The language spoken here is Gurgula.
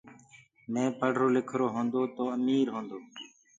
مي پڙهرو لکرو هونٚدو تو امير هونٚدو